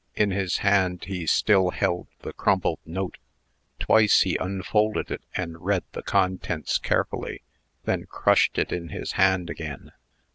In his hand he still held the crumpled note. Twice he unfolded it, and read the contents carefully; then crushed it in his hand again.